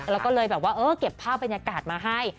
แล้วก็เลยแบบว่าเออเก็บภาพบรรยากาศมาให้